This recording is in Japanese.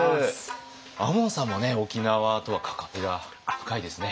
亞門さんも沖縄とは関わりが深いですね。